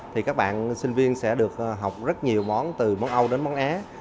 thì các bạn sinh viên sẽ được học rất nhiều món từ món âu đến món á